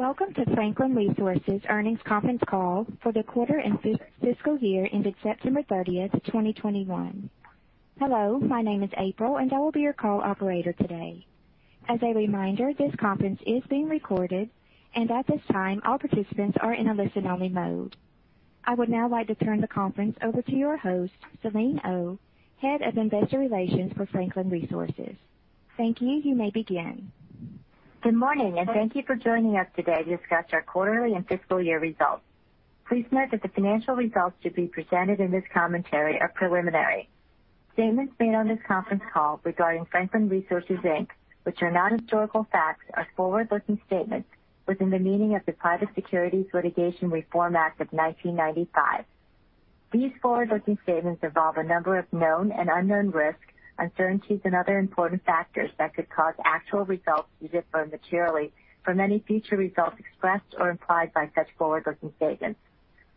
Welcome to Franklin Resources earnings conference call for the quarter and fiscal year ended September 30, 2021. Hello, my name is April, and I will be your call operator today. As a reminder, this conference is being recorded, and at this time, all participants are in a listen-only mode. I would now like to turn the conference over to your host, Selene Oh, head of investor relations for Franklin Resources. Thank you. You may begin. Good morning, and thank you for joining us today to discuss our quarterly and fiscal year results. Please note that the financial results to be presented in this commentary are preliminary. Statements made on this conference call regarding Franklin Resources, Inc., which are not historical facts, are forward-looking statements within the meaning of the Private Securities Litigation Reform Act of 1995. These forward-looking statements involve a number of known and unknown risks, uncertainties, and other important factors that could cause actual results to differ materially from any future results expressed or implied by such forward-looking statements.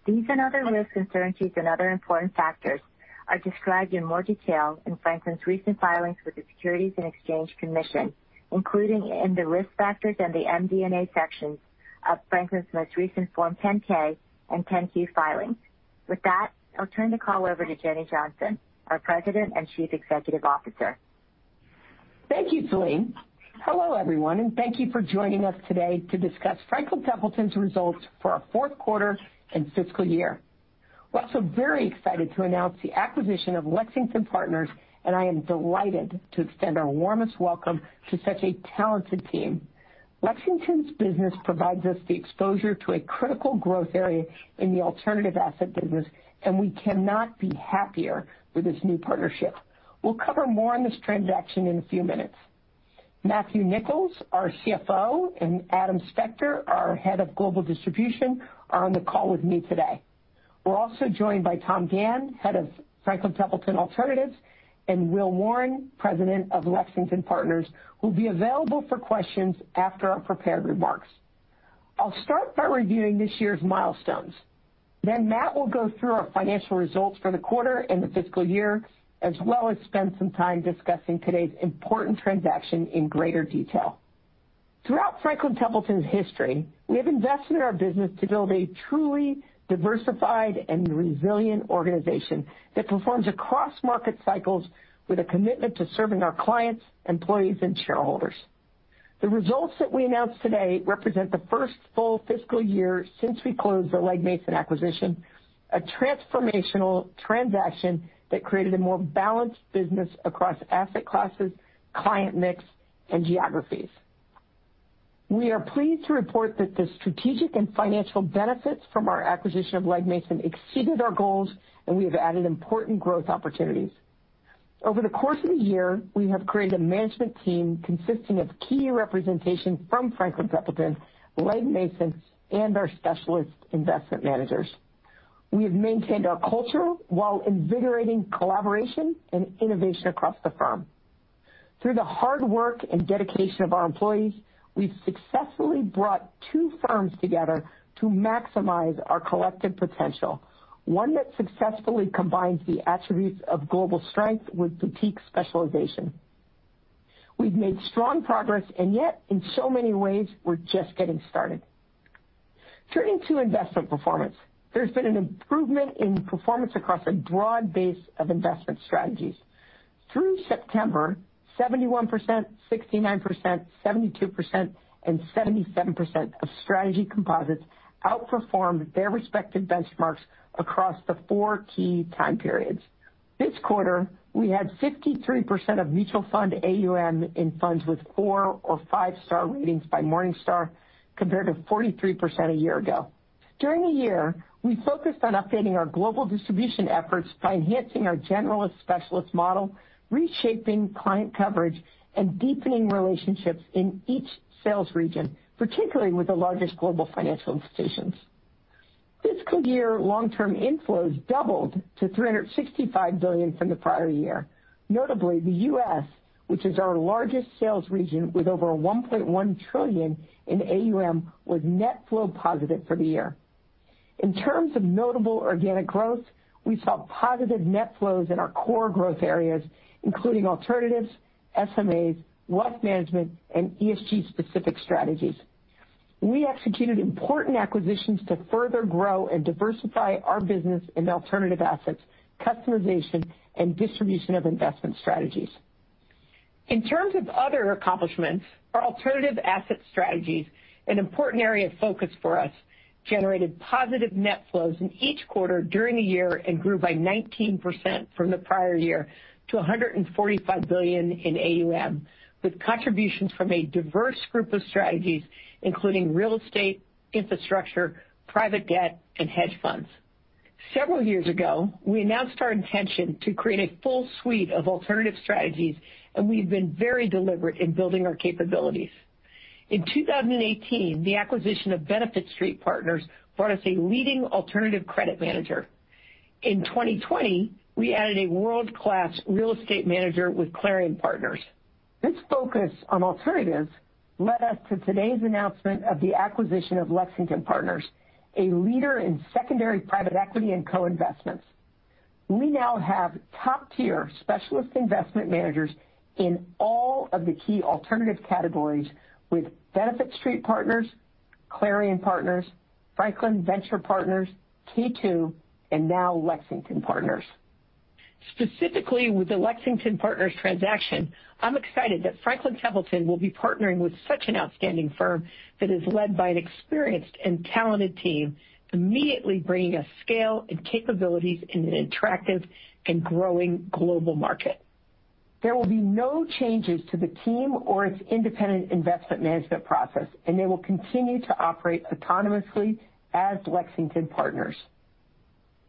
These and other risks, uncertainties, and other important factors are described in more detail in Franklin's recent filings with the Securities and Exchange Commission, including in the Risk Factors and the MD&A sections of Franklin's most recent Form 10-K and 10-Q filings. With that, I'll turn the call over to Jenny Johnson, our President and Chief Executive Officer. Thank you, Selene. Hello, everyone, and thank you for joining us today to discuss Franklin Templeton's results for our fourth quarter and fiscal year. We're also very excited to announce the acquisition of Lexington Partners, and I am delighted to extend our warmest welcome to such a talented team. Lexington's business provides us the exposure to a critical growth area in the alternative asset business, and we cannot be happier with this new partnership. We'll cover more on this transaction in a few minutes. Matthew Nicholls, our CFO, and Adam Spector, our Head of Global Distribution, are on the call with me today. We're also joined by Tom Gannon, Head of Franklin Templeton Alternatives, and Wilson Warren, President of Lexington Partners, who'll be available for questions after our prepared remarks. I'll start by reviewing this year's milestones. Matt will go through our financial results for the quarter and the fiscal year, as well as spend some time discussing today's important transaction in greater detail. Throughout Franklin Templeton's history, we have invested in our business to build a truly diversified and resilient organization that performs across market cycles with a commitment to serving our clients, employees, and shareholders. The results that we announce today represent the first full fiscal year since we closed the Legg Mason acquisition, a transformational transaction that created a more balanced business across asset classes, client mix, and geographies. We are pleased to report that the strategic and financial benefits from our acquisition of Legg Mason exceeded our goals, and we have added important growth opportunities. Over the course of the year, we have created a management team consisting of key representation from Franklin Templeton, Legg Mason, and our Specialist Investment Managers. We have maintained our culture while invigorating collaboration and innovation across the firm. Through the hard work and dedication of our employees, we've successfully brought two firms together to maximize our collective potential, one that successfully combines the attributes of global strength with boutique specialization. We've made strong progress, and yet, in so many ways, we're just getting started. Turning to investment performance. There's been an improvement in performance across a broad base of investment strategies. Through September, 71%, 69%, 72%, and 77% of strategy composites outperformed their respective benchmarks across the four key time periods. This quarter, we had 53% of mutual fund AUM in funds with four or five-star ratings by Morningstar, compared to 43% a year ago. During the year, we focused on updating our global distribution efforts by enhancing our generalist specialist model, reshaping client coverage, and deepening relationships in each sales region, particularly with the largest global financial institutions. Fiscal year long-term inflows doubled to $365 billion from the prior year. Notably, the U.S., which is our largest sales region with over $1.1 trillion in AUM, was net flow positive for the year. In terms of notable organic growth, we saw positive net flows in our core growth areas, including alternatives, SMAs, wealth management, and ESG-specific strategies. We executed important acquisitions to further grow and diversify our business in alternative assets, customization, and distribution of investment strategies. In terms of other accomplishments, our alternative asset strategies, an important area of focus for us, generated positive net flows in each quarter during the year and grew by 19% from the prior year to $145 billion in AUM, with contributions from a diverse group of strategies, including real estate, infrastructure, private debt, and hedge funds. Several years ago, we announced our intention to create a full suite of alternative strategies, and we've been very deliberate in building our capabilities. In 2018, the acquisition of Benefit Street Partners brought us a leading alternative credit manager. In uncertain, we added a world-class real estate manager with Clarion Partners. This focus on alternatives led us to today's announcement of the acquisition of Lexington Partners, a leader in secondary private equity and co-investments. We now have top-tier specialist investment managers in all of the key alternative categories with Benefit Street Partners, Clarion Partners, Franklin Venture Partners, K2, and now Lexington Partners. Specifically with the Lexington Partners transaction, I'm excited that Franklin Templeton will be partnering with such an outstanding firm that is led by an experienced and talented team, immediately bringing us scale and capabilities in an attractive and growing global market. There will be no changes to the team or its independent investment management process, and they will continue to operate autonomously as Lexington Partners.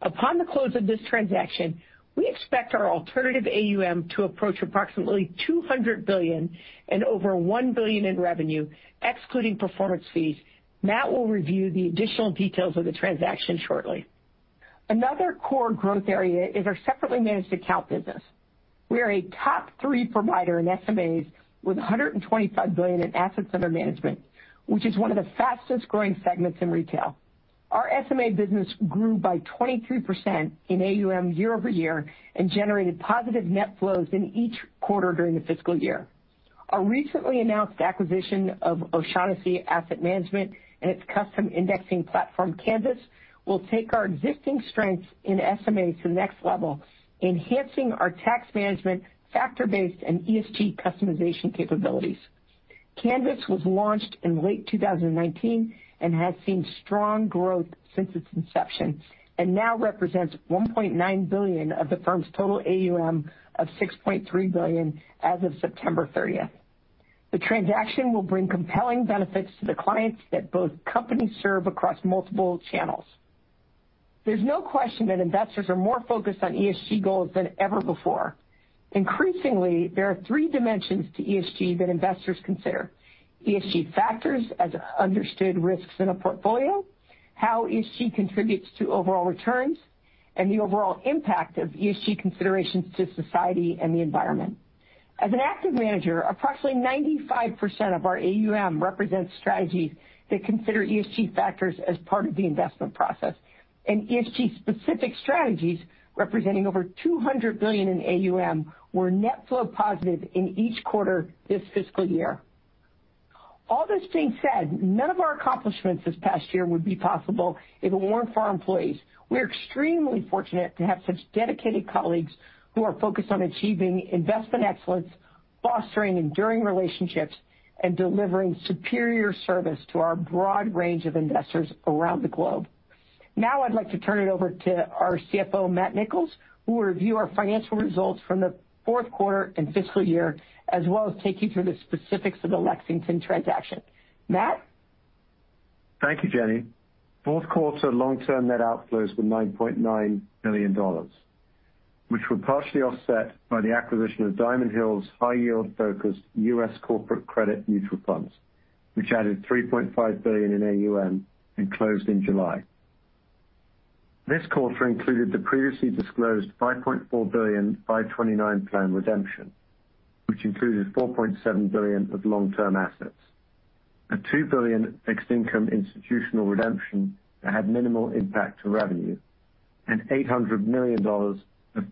Upon the close of this transaction, we expect our alternative AUM to approach approximately $200 billion and over $1 billion in revenue, excluding performance fees. Matt will review the additional details of the transaction shortly. Another core growth area is our separately managed account business. We are a top-three provider in SMAs with $125 billion in assets under management, which is one of the fastest-growing segments in retail. Our SMA business grew by 23% in AUM year-over-year and generated positive net flows in each quarter during the fiscal year. Our recently announced acquisition of O'Shaughnessy Asset Management and its custom indexing platform, Canvas, will take our existing strengths in SMA to the next level, enhancing our tax management, factor-based and ESG customization capabilities. Canvas was launched in late 2019 and has seen strong growth since its inception, and now represents $1.9 billion of the firm's total AUM of $6.3 billion as of September 30. The transaction will bring compelling benefits to the clients that both companies serve across multiple channels. There's no question that investors are more focused on ESG goals than ever before. Increasingly, there are three dimensions to ESG that investors consider. ESG factors as understood risks in a portfolio, how ESG contributes to overall returns, and the overall impact of ESG considerations to society and the environment. As an active manager, approximately 95% of our AUM represents strategies that consider ESG factors as part of the investment process. ESG specific strategies representing over $200 billion in AUM were net flow positive in each quarter this fiscal year. All this being said, none of our accomplishments this past year would be possible if it weren't for our employees. We are extremely fortunate to have such dedicated colleagues who are focused on achieving investment excellence, fostering enduring relationships, and delivering superior service to our broad range of investors around the globe. Now I'd like to turn it over to our CFO, Matthew Nicholls, who will review our financial results from the fourth quarter and fiscal year, as well as take you through the specifics of the Lexington transaction. Matt? Thank you, Jenny. Fourth quarter long-term net outflows were $9.9 billion, which were partially offset by the acquisition of Diamond Hill's high-yield focused U.S. corporate credit mutual funds, which added $3.5 billion in AUM and closed in July. This quarter included the previously disclosed $5.4 billion 529 plan redemption, which included $4.7 billion of long-term assets, a $2 billion fixed income institutional redemption that had minimal impact to revenue, and $800 million of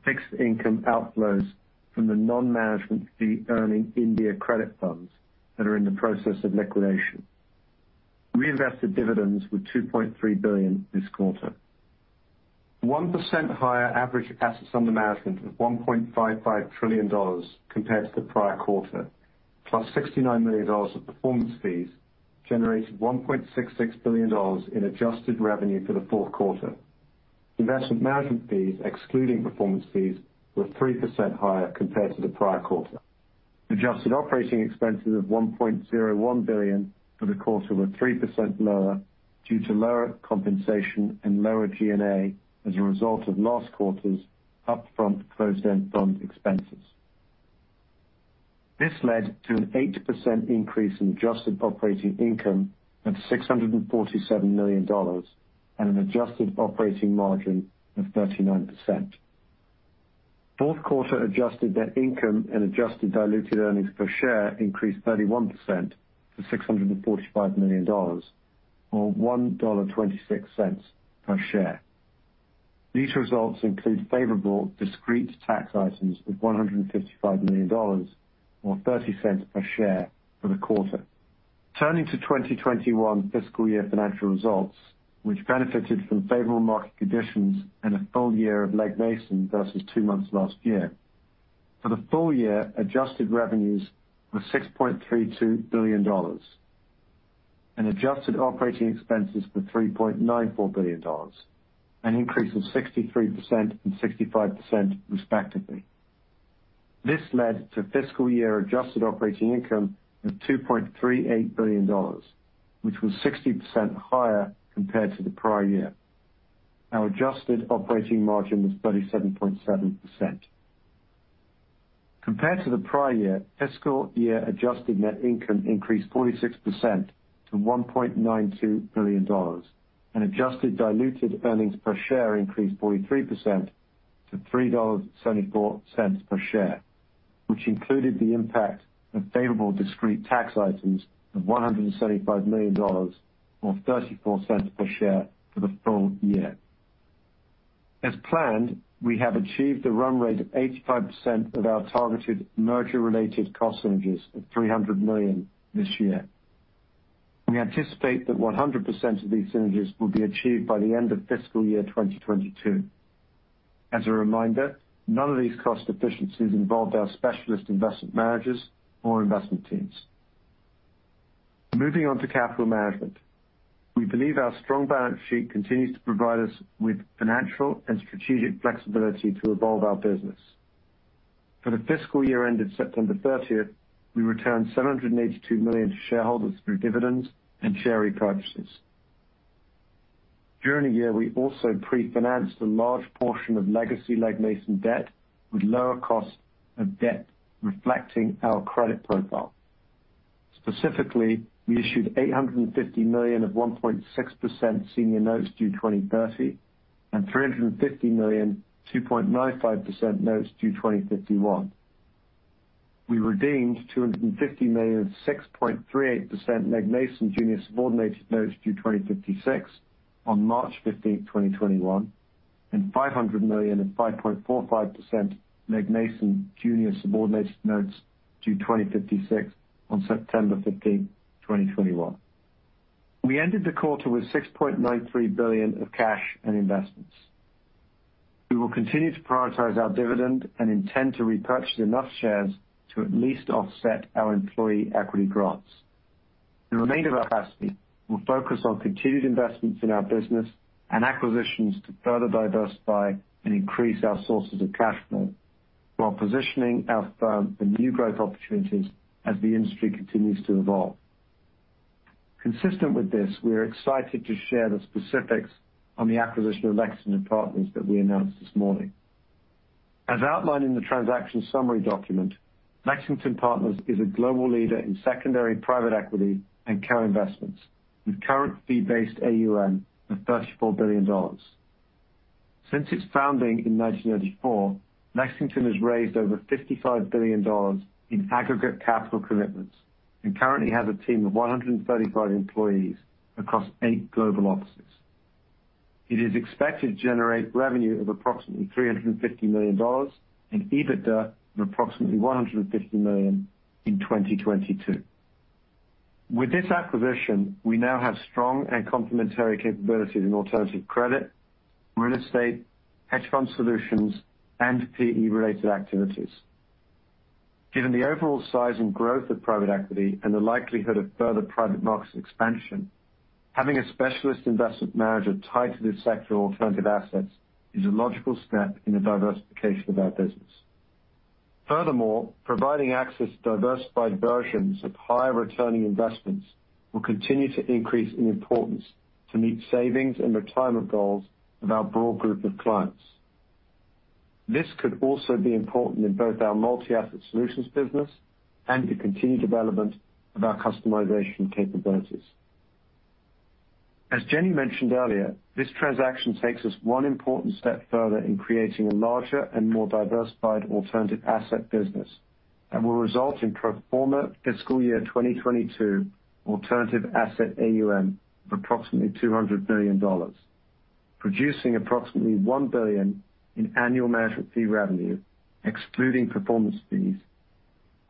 fixed income outflows from the non-management fee earning India credit funds that are in the process of liquidation. Reinvested dividends were $2.3 billion this quarter. 1% higher average assets under management of $1.55 trillion compared to the prior quarter, plus $69 million of performance fees generated $1.66 billion in adjusted revenue for the fourth quarter. Investment management fees, excluding performance fees, were 3% higher compared to the prior quarter. Adjusted operating expenses of $1.01 billion for the quarter were 3% lower due to lower compensation and lower G&A as a result of last quarter's upfront closed-end fund expenses. This led to an 8% increase in adjusted operating income of $647 million and an adjusted operating margin of 39%. Fourth quarter adjusted net income and adjusted diluted earnings per share increased 31% to $645 million or $1.26 per share. These results include favorable discrete tax items of $155 million or 30 cents per share for the quarter. Turning to 2021 fiscal year financial results, which benefited from favorable market conditions and a full year of Legg Mason versus two months last year. For the full year, adjusted revenues were $6.32 billion and adjusted operating expenses were $3.94 billion, an increase of 63% and 65%, respectively. This led to fiscal year adjusted operating income of $2.38 billion, which was 60% higher compared to the prior year. Our adjusted operating margin was 37.7%. Compared to the prior year, fiscal year adjusted net income increased 46% to $1.92 billion, and adjusted diluted earnings per share increased 43% to $3.74 per share, which included the impact of favorable discrete tax items of $175 million or 34 cents per share for the full year. As planned, we have achieved a run rate of 85% of our targeted merger related cost synergies of $300 million this year. We anticipate that 100% of these synergies will be achieved by the end of fiscal year 2022. As a reminder, none of these cost efficiencies involve our Specialist Investment Managers or investment teams. Moving on to capital management. We believe our strong balance sheet continues to provide us with financial and strategic flexibility to evolve our business. For the fiscal year ended September 30, we returned $782 million to shareholders through dividends and share repurchases. During the year, we also pre-financed a large portion of legacy Legg Mason debt with lower cost of debt reflecting our credit profile. Specifically, we issued $850 million of 1.6% senior notes due 2030 and $350 million 2.95% notes due 2051. We redeemed $250 million 6.38% Legg Mason junior subordinated notes due 2056 on March 15, 2021, and $500 million 5.45% Legg Mason junior subordinated notes due 2056 on September 15, 2021. We ended the quarter with $6.93 billion of cash and investments. We will continue to prioritize our dividend and intend to repurchase enough shares to at least offset our employee equity grants. The remainder of our capacity will focus on continued investments in our business and acquisitions to further diversify and increase our sources of cash flow while positioning our firm for new growth opportunities as the industry continues to evolve. Consistent with this, we are excited to share the specifics on the acquisition of Lexington Partners that we announced this morning. As outlined in the transaction summary document, Lexington Partners is a global leader in secondary private equity and co-investments with current fee-based AUM of $34 billion. Since its founding in 1984, Lexington Partners has raised over $55 billion in aggregate capital commitments and currently has a team of 135 employees across eight global offices. It is expected to generate revenue of approximately $350 million and EBITDA of approximately $150 million in 2022. With this acquisition, we now have strong and complementary capabilities in alternative credit, real estate, hedge fund solutions, and PE-related activities. Given the overall size and growth of private equity and the likelihood of further private markets expansion, having a Specialist Investment Manager tied to this sector alternative assets is a logical step in the diversification of our business. Furthermore, providing access to diversified versions of higher returning investments will continue to increase in importance to meet savings and retirement goals of our broad group of clients. This could also be important in both our multi-asset solutions business and the continued development of our customization capabilities. As Jenny mentioned earlier, this transaction takes us one important step further in creating a larger and more diversified alternative asset business and will result in pro forma fiscal year 2022 alternative asset AUM of approximately $200 billion, producing approximately $1 billion in annual management fee revenue, excluding performance fees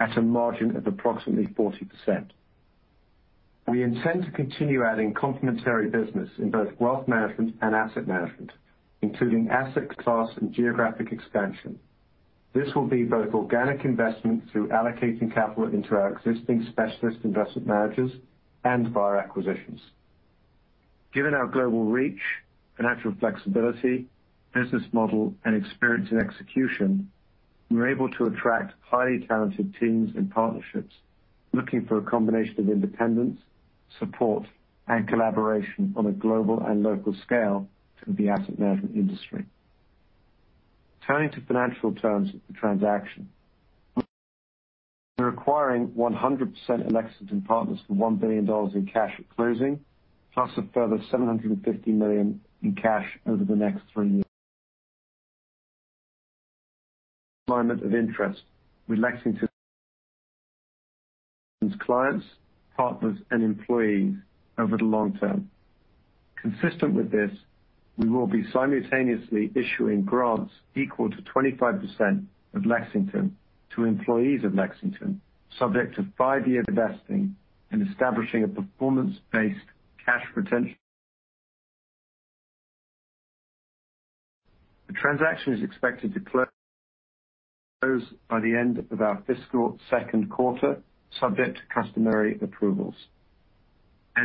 at a margin of approximately 40%. We intend to continue adding complementary business in both wealth management and asset management, including asset class and geographic expansion. This will be both organic investment through allocating capital into our existing Specialist Investment Managers and via acquisitions. Given our global reach, financial flexibility, business model and experience and execution, we're able to attract highly talented teams and partnerships looking for a combination of independence, support and collaboration on a global and local scale through the asset management industry. Turning to financial terms of the transaction. We're acquiring 100% of Lexington Partners for $1 billion in cash at closing, plus a further $750 million in cash over the next three years. Alignment of interests with Lexington's clients, partners, and employees over the long term. Consistent with this, we will be simultaneously issuing grants equal to 25% of Lexington to employees of Lexington, subject to 5-year vesting and establishing a performance-based cash retention. The transaction is expected to close by the end of our fiscal second quarter, subject to customary approvals.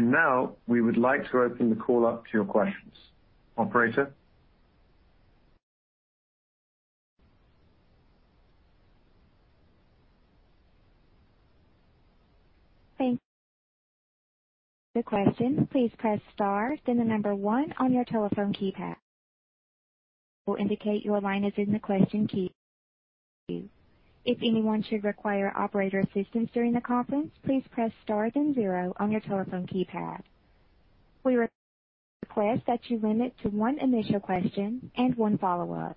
Now we would like to open the call up to your questions. Operator? Thank you. To ask a question, please press star then the number one on your telephone keypad. We'll indicate your line is in the question queue. If anyone should require operator assistance during the conference, please press star then zero on your telephone keypad. We request that you limit to one initial question and one follow-up.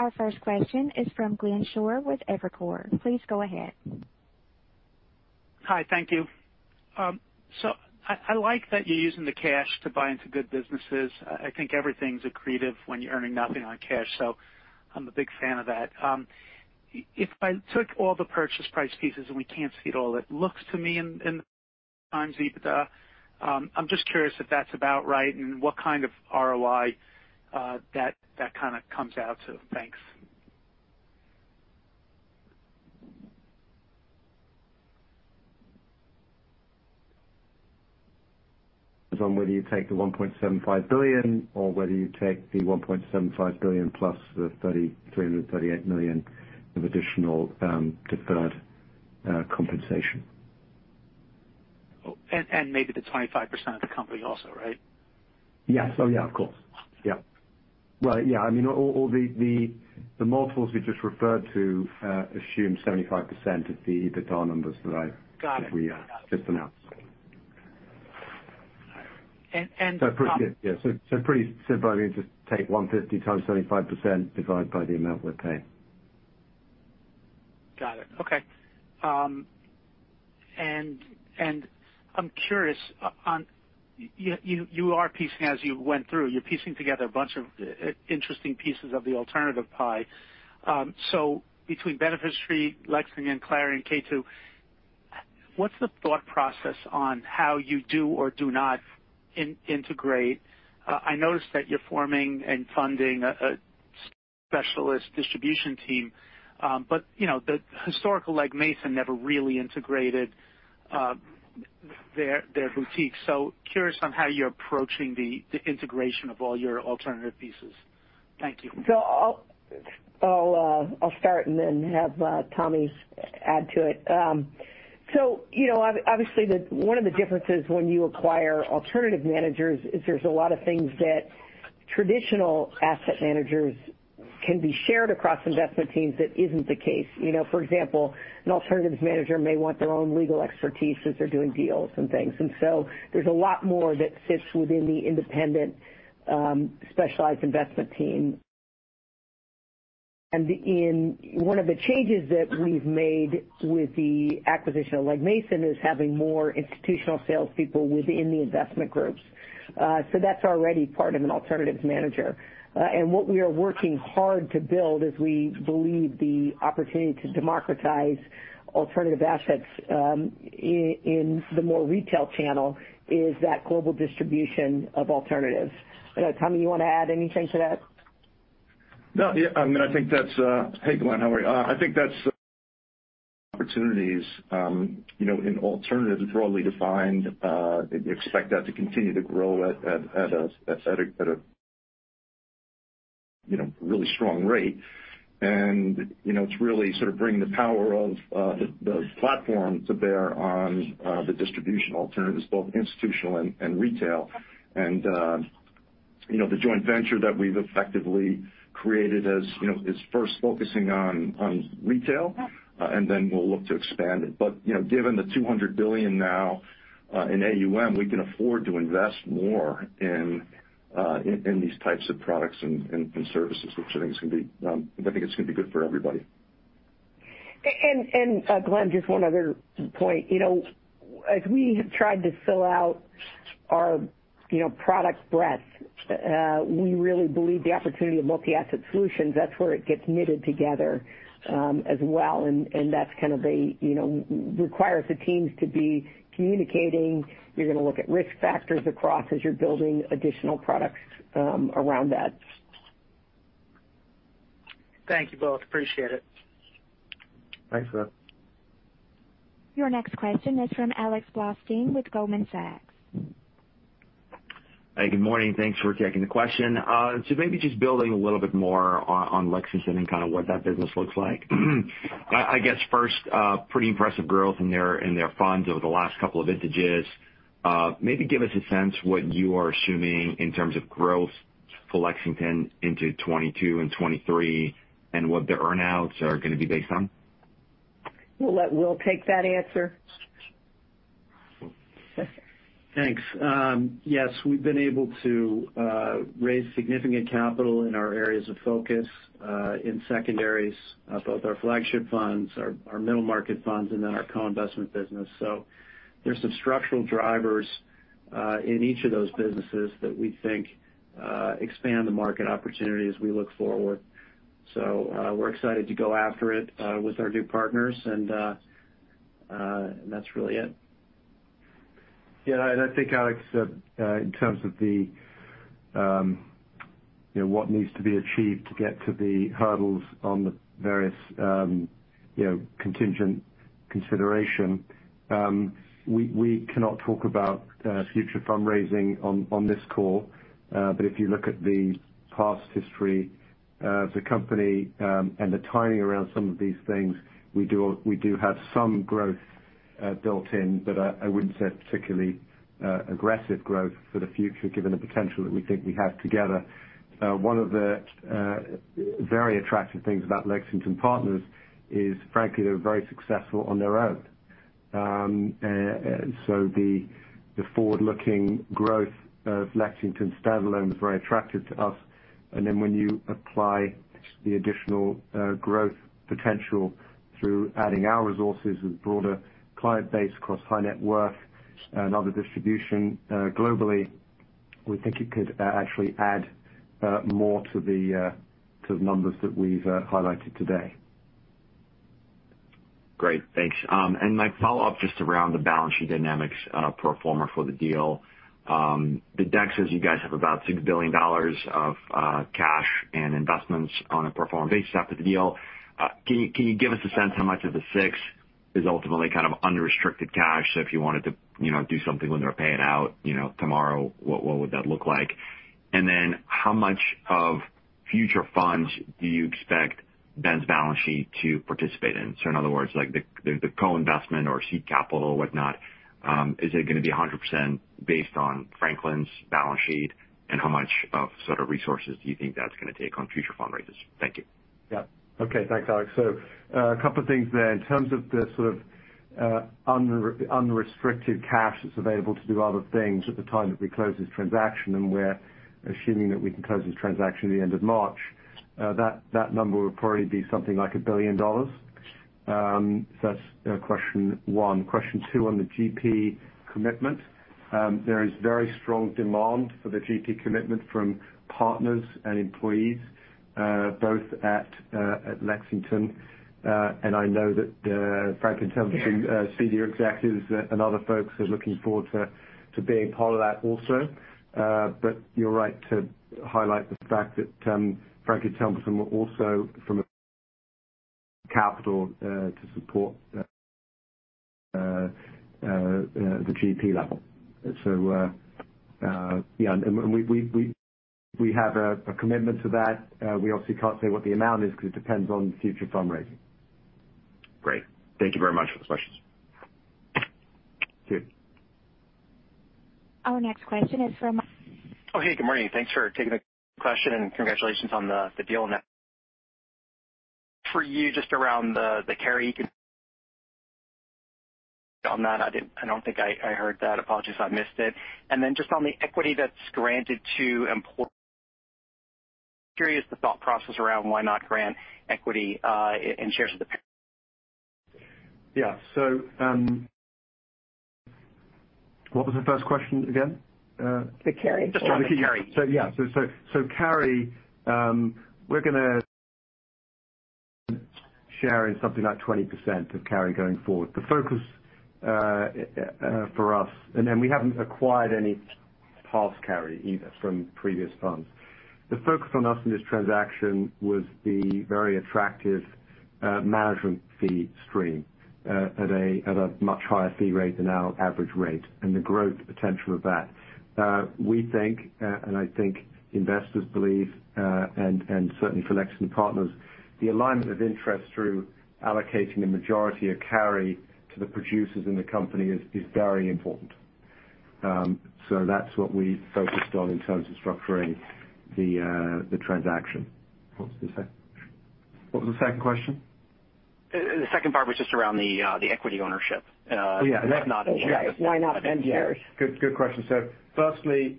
Our first question is from Glenn Schorr with Evercore. Please go ahead. Hi. Thank you. I like that you're using the cash to buy into good businesses. I think everything's accretive when you're earning nothing on cash, so I'm a big fan of that. If I took all the purchase price pieces, and we can't see it all, it looks to me in times EBITDA. I'm just curious if that's about right and what kind of ROI that kinda comes out to? Thanks. Depends on whether you take the $1.75 billion or whether you take the $1.75 billion plus the $3,338 million of additional deferred compensation. Maybe the 25% of the company also, right? Yes. Oh, yeah, of course. Yeah. Well, yeah, I mean, all the multiples we just referred to assume 75% of the EBITDA numbers that I- Got it. that we just announced. And, and- Pretty simply, just take 150 times 75% divided by the amount we're paying. Got it. Okay. I'm curious, as you went through, you're piecing together a bunch of interesting pieces of the alternative pie. Between Benefit Street, Lexington, Clarion, and K2, what's the thought process on how you do or do not integrate? I noticed that you're forming and funding a specialist distribution team, but you know, the historical Legg Mason never really integrated their boutique. Curious on how you're approaching the integration of all your alternative pieces. Thank you. I'll start and then have Tom add to it. You know, obviously the one of the differences when you acquire alternative managers is there's a lot of things that traditional asset managers can be shared across investment teams that isn't the case. You know, for example, an alternatives manager may want their own legal expertise since they're doing deals and things. In one of the changes that we've made with the acquisition of Legg Mason is having more institutional salespeople within the investment groups. So that's already part of an alternatives manager. What we are working hard to build is we believe the opportunity to democratize alternative assets in the more retail channel is that global distribution of alternatives. I don't know, Tommy, you wanna add anything to that? No. Yeah. I mean, I think that's. Hey, Glenn, how are you? I think that's opportunities, you know, in alternatives broadly defined, and expect that to continue to grow at a you know, really strong rate. You know, to really sort of bring the power of the platform to bear on the distribution alternatives, both institutional and retail. You know, the joint venture that we've effectively created, as you know, is first focusing on retail, and then we'll look to expand it. You know, given the $200 billion now in AUM, we can afford to invest more in these types of products and services, which I think it's gonna be good for everybody. Glenn, just one other point. You know, as we have tried to fill out our, you know, product breadth, we really believe the opportunity of multi-asset solutions, that's where it gets knitted together, as well. That's kind of a, you know, requires the teams to be communicating. You're gonna look at risk factors across as you're building additional products, around that. Thank you both. Appreciate it. Thanks for that. Your next question is from Alexander Blostein with Goldman Sachs. Hey, good morning. Thanks for taking the question. Maybe just building a little bit more on Lexington and kinda what that business looks like. I guess first, pretty impressive growth in their funds over the last couple of vintages. Maybe give us a sense what you are assuming in terms of growth for Lexington into 2022 and 2023 and what the earn-outs are gonna be based on. We'll let Wilson take that answer. Thanks. Yes, we've been able to raise significant capital in our areas of focus in secondaries, both our flagship funds, our middle market funds, and then our co-investment business. There's some structural drivers in each of those businesses that we think expand the market opportunity as we look forward. We're excited to go after it with our new partners, and that's really it. Yeah. I think, Alex, in terms of the, you know, what needs to be achieved to get to the hurdles on the various, you know, contingent consideration, we cannot talk about future fundraising on this call. If you look at the past history of the company, and the timing around some of these things, we do have some growth built in, but I wouldn't say particularly aggressive growth for the future given the potential that we think we have together. One of the very attractive things about Lexington Partners is, frankly, they're very successful on their own. The forward-looking growth of Lexington standalone was very attractive to us. When you apply the additional growth potential through adding our resources and broader client base across high net worth and other distribution globally, we think it could actually add more to the numbers that we've highlighted today. Great. Thanks. My follow-up just around the balance sheet dynamics on a pro forma for the deal. The deck says you guys have about $6 billion of cash and investments on a pro forma basis after the deal. Can you give us a sense how much of the six is ultimately kind of unrestricted cash? If you wanted to, you know, do something whether to pay it out, you know, tomorrow, what would that look like? Then how much of future funds do you expect BEN's balance sheet to participate in? In other words, like, the co-investment or seed capital or whatnot, is it gonna be 100% based on Franklin's balance sheet? How much of sort of resources do you think that's gonna take on future fundraisers? Thank you. Yeah. Okay. Thanks, Alex. A couple of things there. In terms of the sort of unrestricted cash that's available to do other things at the time that we close this transaction, and we're assuming that we can close this transaction at the end of March, that number would probably be something like $1 billion. That's question one. Question two on the GP commitment. There is very strong demand for the GP commitment from partners and employees both at Lexington. I know that Franklin Templeton senior executives and other folks are looking forward to being part of that also. You're right to highlight the fact that Franklin Templeton will also commit capital to support the GP level. We have a commitment to that. We obviously can't say what the amount is because it depends on future fundraising. Great. Thank you very much for those questions. Sure. Our next question is from. Oh, hey, good morning. Thanks for taking the question, and congratulations on the deal. For you just around the carry On that, I don't think I heard that. Apologies if I missed it. Just on the equity that's granted to employees, curious the thought process around why not grant equity in shares with the- Yeah. What was the first question again? The carry. Just on the carry. Carry, we're gonna share in something like 20% of carry going forward. The focus for us. We haven't acquired any past carry either from previous funds. The focus on us in this transaction was the very attractive management fee stream at a much higher fee rate than our average rate and the growth potential of that. We think and I think investors believe and certainly for Lexington Partners, the alignment of interest through allocating the majority of carry to the producers in the company is very important. That's what we focused on in terms of structuring the transaction. What was the second question? The second part was just around the equity ownership. Oh, yeah. Not in shares. Why not in shares? Good question. Firstly,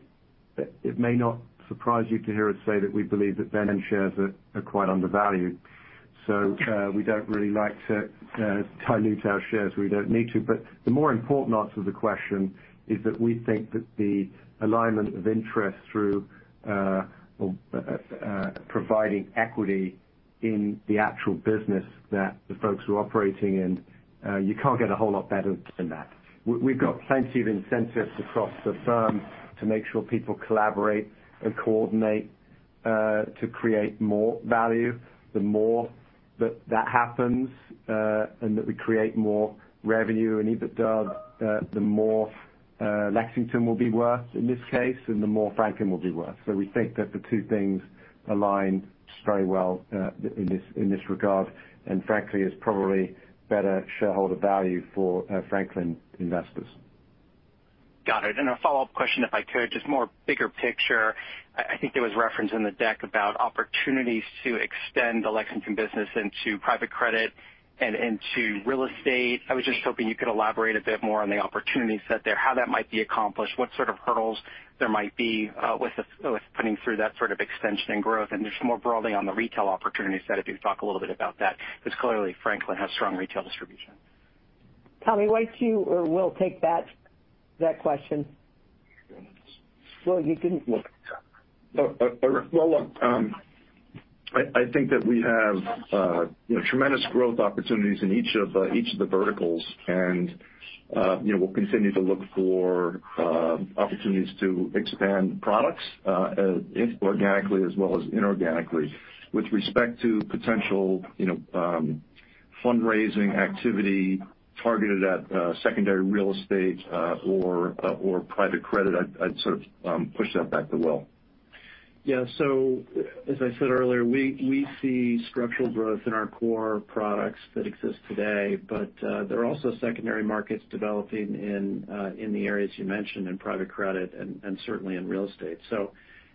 it may not surprise you to hear us say that we believe that BEN shares are quite undervalued. We don't really like to dilute our shares. We don't need to. The more important answer to the question is that we think that the alignment of interest through providing equity in the actual business that the folks who are operating in, you can't get a whole lot better than that. We've got plenty of incentives across the firm to make sure people collaborate and coordinate to create more value. The more that happens, and that we create more revenue and EBITDA, the more Lexington will be worth in this case, and the more Franklin will be worth. We think that the two things align very well, in this regard, and frankly, is probably better shareholder value for Franklin investors. Got it. A follow-up question, if I could, just more bigger picture. I think there was reference in the deck about opportunities to extend the Lexington business into private credit and into real estate. I was just hoping you could elaborate a bit more on the opportunity set there, how that might be accomplished, what sort of hurdles there might be with putting through that sort of extension and growth. Just more broadly on the retail opportunity set, if you could talk a little bit about that. Because clearly, Franklin has strong retail distribution. Tom Gannon, why don't you or Wilson Warren take that question? Wilson Warren, you can- Well, look, I think that we have tremendous growth opportunities in each of the verticals. You know, we'll continue to look for opportunities to expand products organically as well as inorganically. With respect to potential, you know, fundraising activity targeted at secondary real estate or private credit, I'd sort of push that back to Wil. Yeah. As I said earlier, we see structural growth in our core products that exist today. There are also secondary markets developing in the areas you mentioned in private credit and certainly in real estate.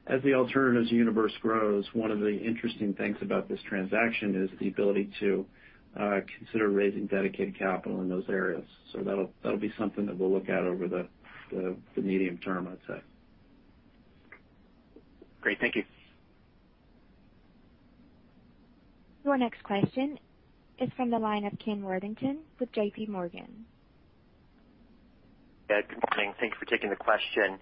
As the alternatives universe grows, one of the interesting things about this transaction is the ability to consider raising dedicated capital in those areas. That'll be something that we'll look at over the medium term, I'd say. Great. Thank you. Your next question is from the line of Ken Worthington with JPMorgan. Yeah, good morning. Thank you for taking the question.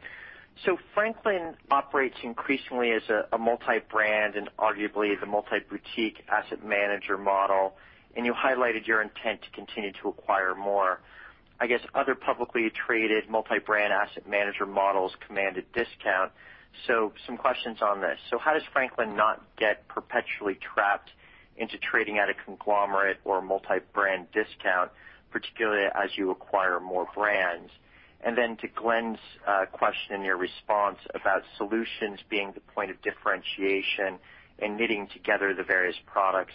Franklin operates increasingly as a multi-brand and arguably the multi-boutique asset manager model, and you highlighted your intent to continue to acquire more. I guess, other publicly traded multi-brand asset manager models command a discount. Some questions on this. How does Franklin not get perpetually trapped into trading at a conglomerate or multi-brand discount, particularly as you acquire more brands? To Glenn's question in your response about solutions being the point of differentiation and knitting together the various products,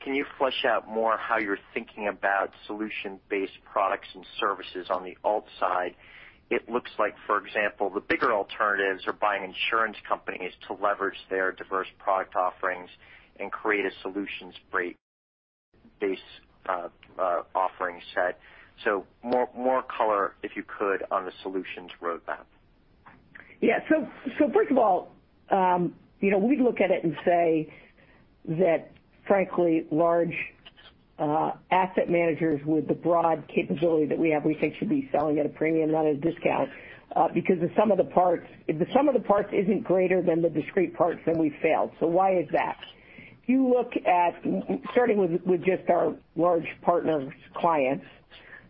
can you flesh out more how you're thinking about solution-based products and services on the alt side? It looks like, for example, the bigger alternatives are buying insurance companies to leverage their diverse product offerings and create a solutions-based offering set. More color, if you could, on the solutions roadmap. Yeah. First of all, you know, we look at it and say that frankly, large asset managers with the broad capability that we have, we think should be selling at a premium, not a discount, because the sum of the parts, if the sum of the parts isn't greater than the discrete parts, then we've failed. Why is that? If you look at starting with just our large partners clients,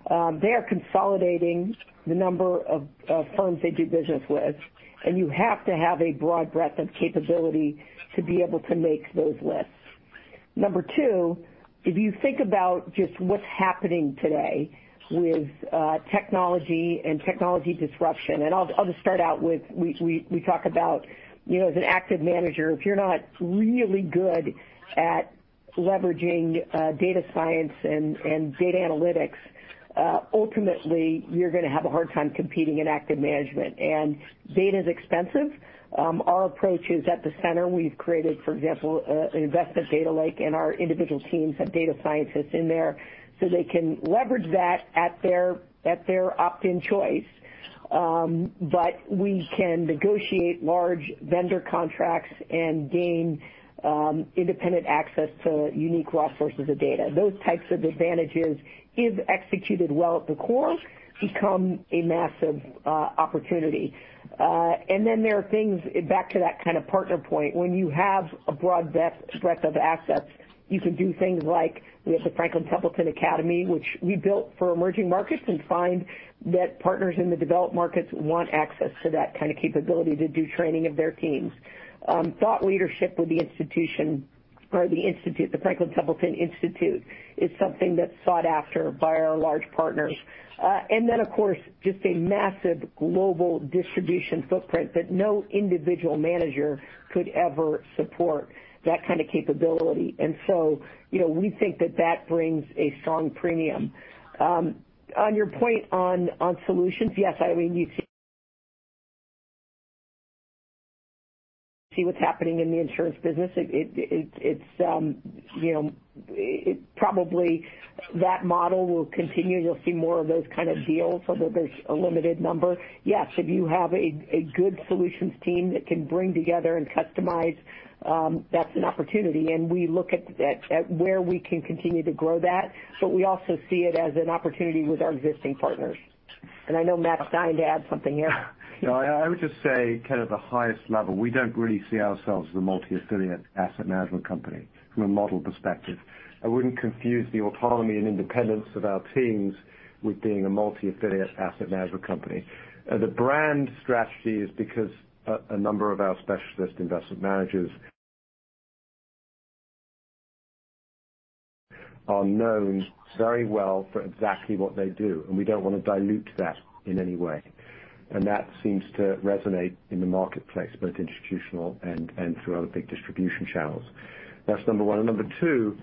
they are consolidating the number of firms they do business with, and you have to have a broad breadth of capability to be able to make those lists. Number two, if you think about just what's happening today with technology and technology disruption, and I'll just start out with we talk about, you know, as an active manager, if you're not really good at leveraging data science and data analytics, ultimately, you're gonna have a hard time competing in active management. Data is expensive. Our approach is at the center. We've created, for example, an investment data lake, and our individual teams have data scientists in there, so they can leverage that at their opt-in choice. But we can negotiate large vendor contracts and gain independent access to unique raw sources of data. Those types of advantages, if executed well at the core, become a massive opportunity. Then there are things back to that kind of partner point. When you have a broad depth and breadth of assets, you can do things like we have the Franklin Templeton Academy, which we built for emerging markets, and find that partners in the developed markets want access to that kind of capability to do training of their teams. Thought leadership with the institution or the Institute, the Franklin Templeton Institute, is something that's sought after by our large partners. And then, of course, just a massive global distribution footprint that no individual manager could ever support that kind of capability. You know, we think that brings a strong premium. On your point on solutions, yes, I mean, you see what's happening in the insurance business. It's, you know, probably that model will continue. You'll see more of those kind of deals, although there's a limited number. Yes, if you have a good solutions team that can bring together and customize, that's an opportunity, and we look at where we can continue to grow that, but we also see it as an opportunity with our existing partners. I know Matt is dying to add something here. No, I would just say kind of the highest level. We don't really see ourselves as a multi-affiliate asset management company from a model perspective. I wouldn't confuse the autonomy and independence of our teams with being a multi-affiliate asset management company. The brand strategy is because a number of our Specialist Investment Managers are known very well for exactly what they do, and we don't wanna dilute that in any way. That seems to resonate in the marketplace, both institutional and through other big distribution channels. That's number one. Number two,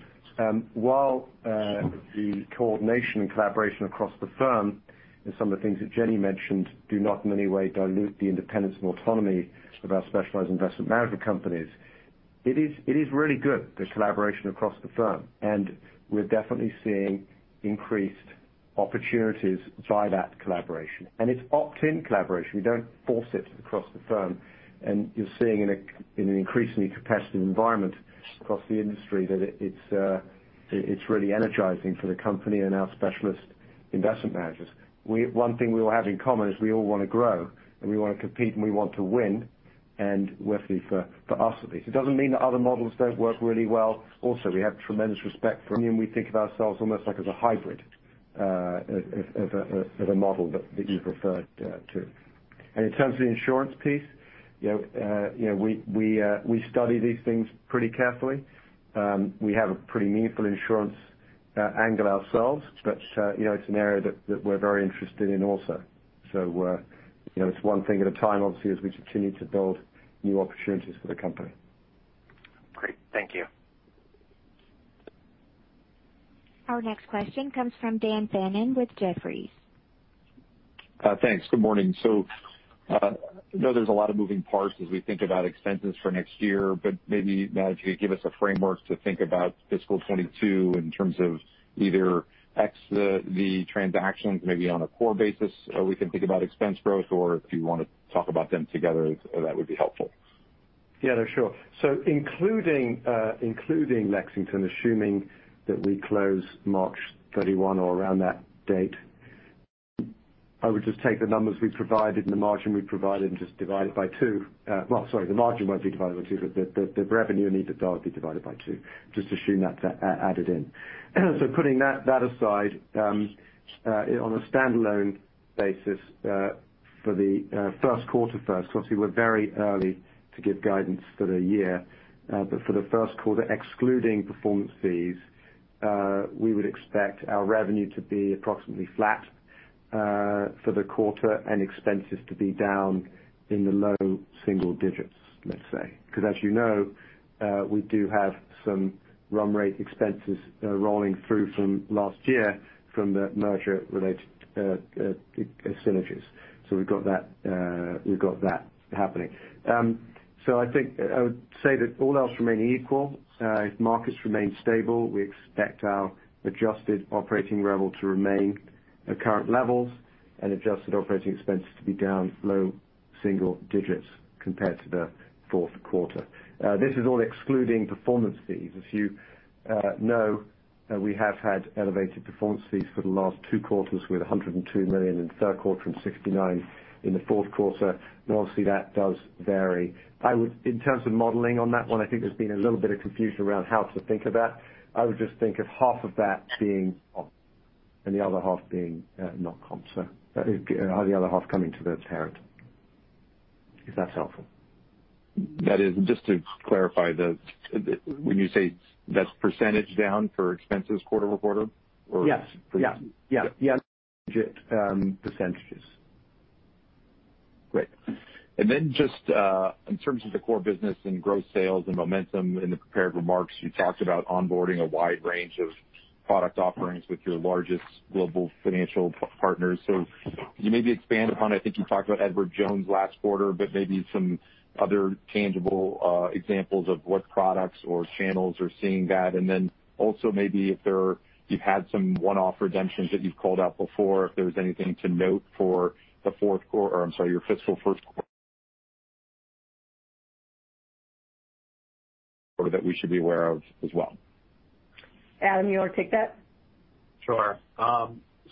while the coordination and collaboration across the firm and some of the things that Jenny mentioned do not in any way dilute the independence and autonomy of our specialized investment management companies, it is really good, the collaboration across the firm, and we're definitely seeing increased opportunities by that collaboration. It's opt-in collaboration. We don't force it across the firm. You're seeing in an increasingly competitive environment across the industry that it's really energizing for the company and our Specialist Investment Managers. One thing we all have in common is we all wanna grow, and we wanna compete, and we want to win, and for us at least. It doesn't mean that other models don't work really well. Also, we have tremendous respect for them. We think of ourselves almost like as a hybrid as a model that you referred to. In terms of the insurance piece, you know, you know, we study these things pretty carefully. We have a pretty meaningful insurance angle ourselves, but, you know, it's an area that we're very interested in also. You know, it's one thing at a time, obviously, as we continue to build new opportunities for the company. Great. Thank you. Our next question comes from Dan Fannon with Jefferies. Thanks. Good morning. I know there's a lot of moving parts as we think about expenses for next year, but maybe, Matt, if you could give us a framework to think about fiscal 2022 in terms of either ex the transactions, maybe on a core basis, we can think about expense growth, or if you wanna talk about them together, that would be helpful. Yeah, sure. Including Lexington, assuming that we close March 31 or around that date, I would just take the numbers we provided and the margin we provided and just divide it by 2. Well, sorry, the margin won't be divided by 2, but the revenue need to be divided by 2. Just assume that's added in. Putting that aside, on a standalone basis, for the first quarter first, because we're very early to give guidance for the year. For the first quarter, excluding performance fees, we would expect our revenue to be approximately flat for the quarter and expenses to be down in the low single digits, let's say. Because as you know, we do have some run rate expenses rolling through from last year from the merger-related synergies. We've got that happening. I think I would say that all else remaining equal, if markets remain stable, we expect our adjusted operating level to remain at current levels and adjusted operating expenses to be down low single digits compared to the fourth quarter. This is all excluding performance fees. As you know, we have had elevated performance fees for the last two quarters with $102 million in the third quarter and $69 million in the fourth quarter. Obviously that does vary. In terms of modeling on that one, I think there's been a little bit of confusion around how to think of that. I would just think of half of that being comp and the other half being not comp. The other half coming to the parent. If that's helpful. That is. Just to clarify the, when you say that's percentage down for expenses quarter-over-quarter, or- Yes. Yeah. percentages. Great. Just in terms of the core business and growth sales and momentum, in the prepared remarks, you talked about onboarding a wide range of product offerings with your largest global financial partners. Can you maybe expand upon, I think you talked about Edward Jones last quarter, but maybe some other tangible examples of what products or channels are seeing that. Also maybe if there you've had some one-off redemptions that you've called out before, if there's anything to note for the fourth quarter or I'm sorry, your fiscal first quarter that we should be aware of as well. Adam, you want to take that? Sure.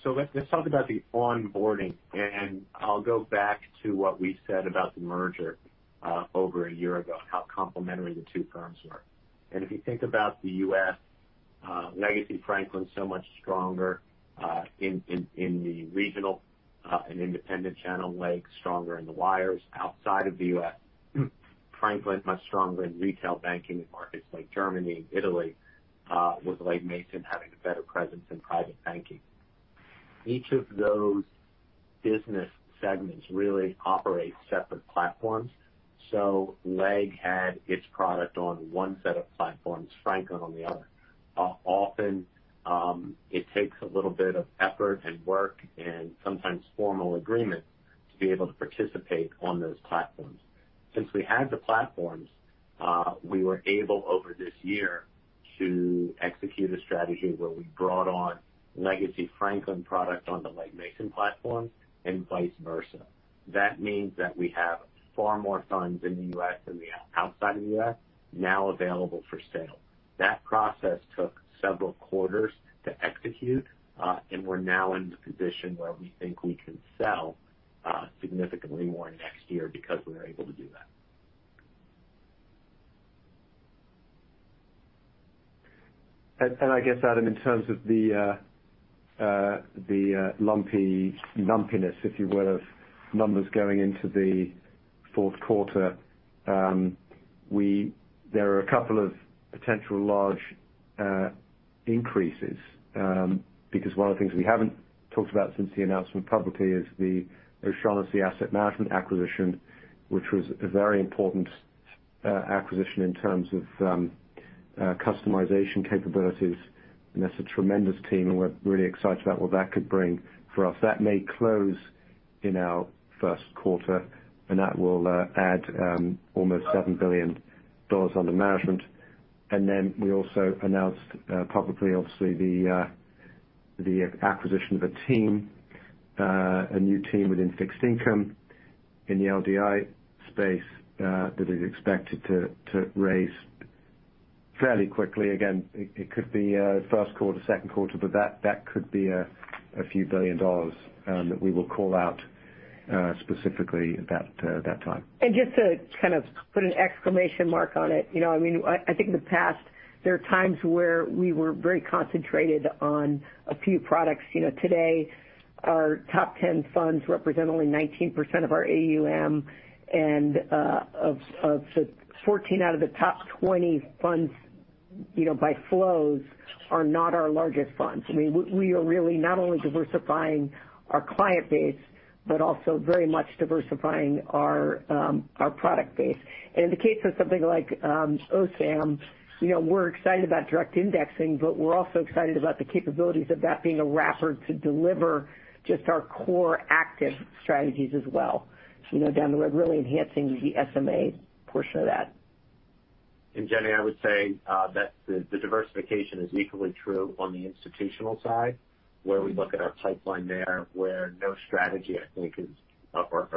So let's talk about the onboarding, and I'll go back to what we said about the merger over a year ago, how complementary the two firms were. If you think about the U.S. legacy Franklin, so much stronger in the regional and independent channel. Legg stronger in the wires. Outside of the U.S., Franklin much stronger in retail banking in markets like Germany and Italy with Legg Mason having a better presence in private banking. Each of those business segments really operate separate platforms. Legg had its product on one set of platforms, Franklin on the other. Often, it takes a little bit of effort and work and sometimes formal agreement to be able to participate on those platforms. Since we had the platforms, we were able over this year to execute a strategy where we brought on legacy Franklin product on the Legg Mason platform and vice versa. That means that we have far more funds in the U.S. than we have outside of the U.S. now available for sale. That process took several quarters to execute, and we're now in the position where we think we can sell significantly more next year because we were able to do that. I guess, Adam, in terms of the lumpy lumpiness, if you will, of numbers going into the fourth quarter, there are a couple of potential large increases because one of the things we haven't talked about since the announcement publicly is the O'Shaughnessy Asset Management acquisition, which was a very important acquisition in terms of customization capabilities. That's a tremendous team, and we're really excited about what that could bring for us. That may close in our first quarter, and that will add almost $7 billion under management. Then we also announced publicly, obviously, the acquisition of a new team within fixed income in the LDI space that is expected to raise fairly quickly. Again, it could be first quarter, second quarter, but that could be $a few billion that we will call out specifically at that time. Just to kind of put an exclamation mark on it, you know, I mean, I think in the past there are times where we were very concentrated on a few products. You know, today our top 10 funds represent only 19% of our AUM and of the 14 out of the top 20 funds, you know, by flows are not our largest funds. I mean, we are really not only diversifying our client base, but also very much diversifying our product base. In the case of something like OSAM, you know, we're excited about direct indexing, but we're also excited about the capabilities of that being a wrapper to deliver just our core active strategies as well, you know, down the road, really enhancing the SMA portion of that. Jenny, I would say that the diversification is equally true on the institutional side, where we look at our pipeline there, where no strategy, I think, is or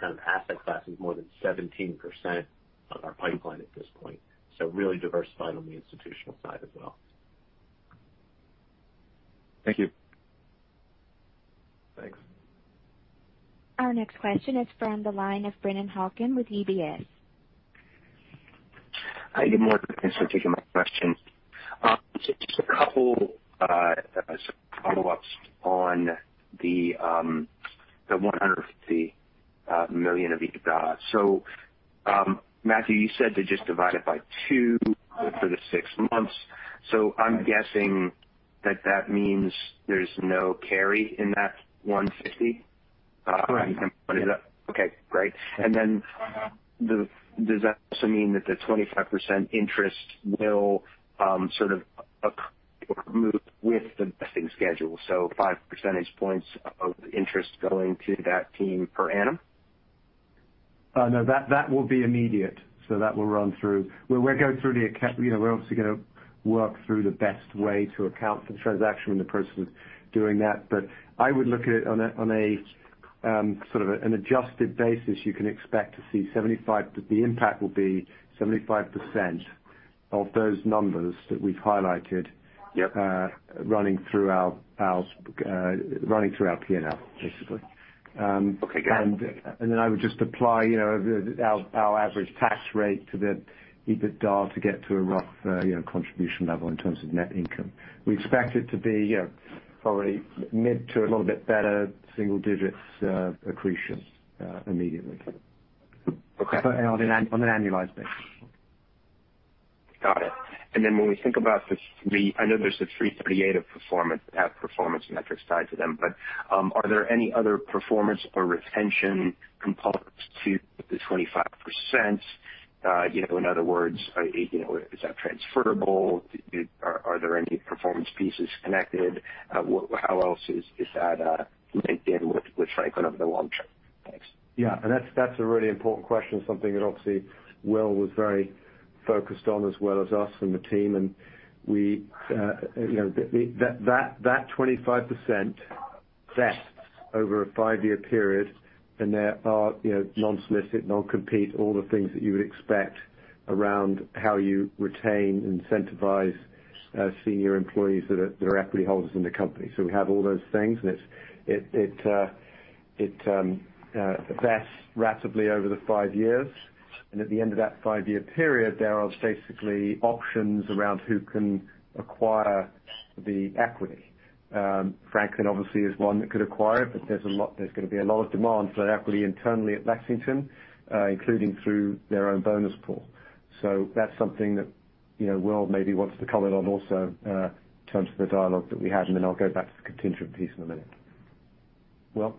kind of asset class is more than 17% of our pipeline at this point. Really diversified on the institutional side as well. Thank you. Thanks. Our next question is from the line of Brennan Hawken with UBS. Hi, good morning. Thanks for taking my question. Just a couple follow-ups on the $150 million of EBITDA. Matthew, you said to just divide it by 2 for the 6 months. I'm guessing that means there's no carry in that 150? Correct. Okay, great. Does that also mean that the 25% interest will sort of accrue with the vesting schedule, so five percentage points of interest going to that team per annum? No, that will be immediate. That will run through. We're going through, you know, we're obviously going to work through the best way to account for the transaction in the process of doing that. But I would look at it on a sort of an adjusted basis. You can expect to see, the impact will be 75% of those numbers that we've highlighted. Yep. running through our PNL, basically. Okay, got it. I would just apply, you know, our average tax rate to the EBITDA to get to a rough, you know, contribution level in terms of net income. We expect it to be, you know, probably mid to a little bit better single digits accretion immediately. Okay. On an annualized basis. Got it. When we think about the 338 of performance, have performance metrics tied to them, but are there any other performance or retention components to the 25%? You know, in other words, you know, is that transferable? Are there any performance pieces connected? How else is that linked in with Franklin over the long term? Thanks. Yeah, that's a really important question. Something that obviously Will was very focused on as well as us and the team. We, you know, that 25% vests over a 5-year period. There are, you know, non-solicit, non-compete, all the things that you would expect around how you retain, incentivize, senior employees that are equity holders in the company. So we have all those things. It vests ratably over the 5 years. At the end of that 5-year period, there are basically options around who can acquire the equity. Franklin obviously is one that could acquire it, but there's going to be a lot of demand for that equity internally at Lexington, including through their own bonus pool. That's something that, you know, Wil maybe wants to comment on also, in terms of the dialogue that we had, and then I'll go back to the contingent piece in a minute. Wil?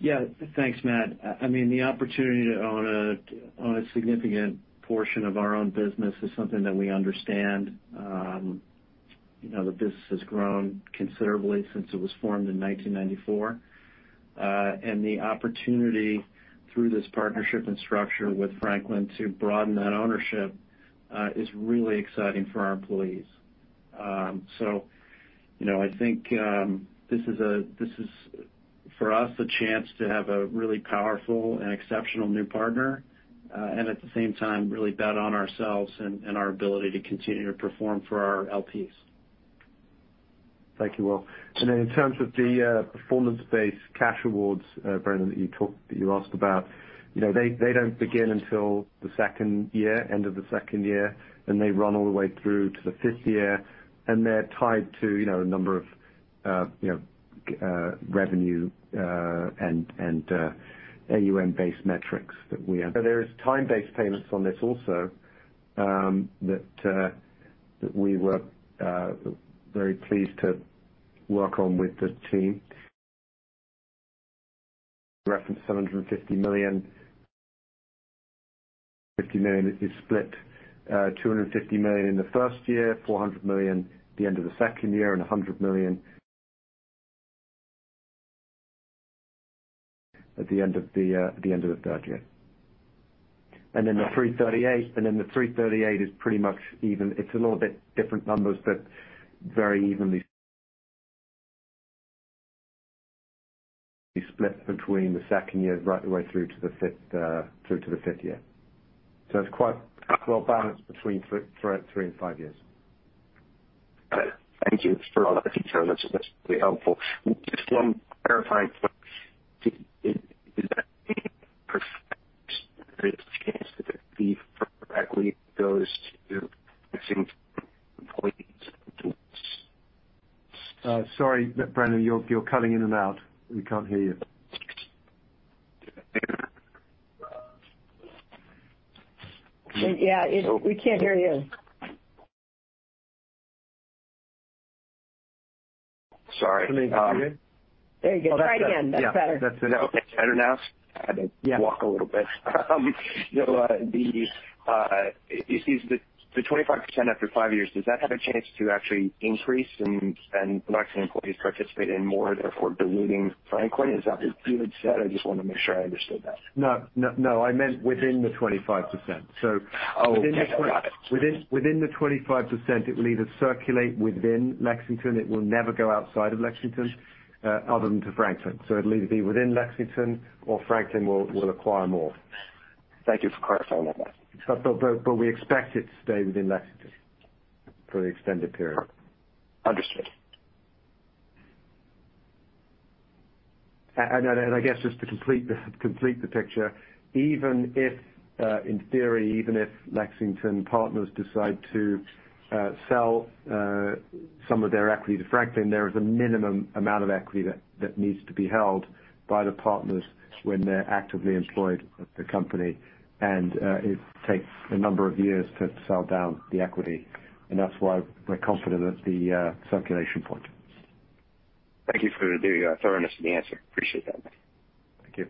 Yeah. Thanks, Matt. I mean, the opportunity to own a significant portion of our own business is something that we understand. You know, the business has grown considerably since it was formed in 1994. The opportunity through this partnership and structure with Franklin to broaden that ownership is really exciting for our employees. You know, I think this is, for us, a chance to have a really powerful and exceptional new partner and at the same time really bet on ourselves and our ability to continue to perform for our LPs. Thank you, Wil. In terms of the performance-based cash awards, Brennan, that you asked about, you know, they don't begin until the second year, end of the second year, and they run all the way through to the fifth year, and they're tied to, you know, a number of revenue and AUM-based metrics that we have. There is time-based payments on this also, that we were very pleased to work on with the team. Reference $750 million. $50 million is split, $250 million in the first year, $400 million at the end of the second year, and $100 million at the end of the third year. The 3.38 is pretty much even. It's a little bit different numbers, but very evenly split between the second year, right the way through to the fifth, through to the fifth year. It's quite well balanced between 3 and 5 years. Okay. Thank you for all that detail. That's really helpful. Just one clarifying point. Does that mean Sorry, Brennan, you're cutting in and out. We can't hear you. Yeah. We can't hear you. Sorry. There you go. Try it again. That's better. That's it. Okay, better now. Had to walk a little bit. Is the 25% after 5 years, does that have a chance to actually increase and Lexington employees participate in more, therefore diluting Franklin? Is that what you had said? I just wanna make sure I understood that. No, no. I meant within the 25%. Oh, okay. Got it. Within the 25%, it will either circulate within Lexington, it will never go outside of Lexington, other than to Franklin. It'll either be within Lexington or Franklin will acquire more. Thank you for clarifying that. We expect it to stay within Lexington for the extended period. Understood. I guess just to complete the picture, even if in theory Lexington Partners decide to sell some of their equity to Franklin, there is a minimum amount of equity that needs to be held by the partners when they're actively employed with the company. It takes a number of years to sell down the equity, and that's why we're confident at the acquisition point. Thank you for the thoroughness of the answer. Appreciate that. Thank you.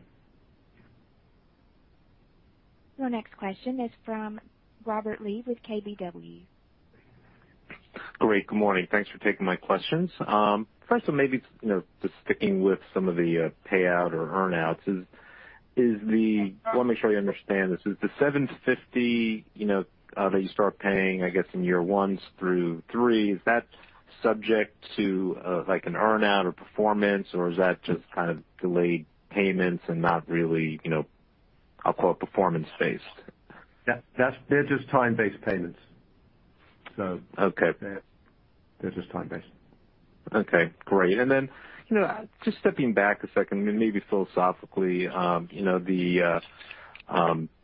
Your next question is from Robert Lee with KBW. Great. Good morning. Thanks for taking my questions. First maybe, you know, just sticking with some of the payout or earn-outs. Want to make sure I understand this. Is the $750, you know, that you start paying, I guess, in years 1 through 3, subject to like an earn-out or performance, or is that just kind of delayed payments and not really, you know, I'll call it performance-based? They're just time-based payments, so. Okay. They're just time-based. Okay, great. You know, just stepping back a second and maybe philosophically, you know, the